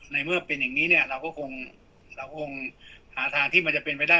ในเมื่อเป็นอย่างนี้เนี่ยเราก็คงเราก็คงหาทางที่มันจะเป็นไปได้